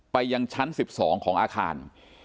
ไปยังชั้น๑๒ของอาคาร